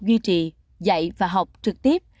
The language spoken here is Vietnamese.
duy trì dạy và học trực tiếp